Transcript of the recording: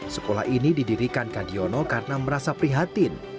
sekolah ini didirikan kadiono karena merasa prihatin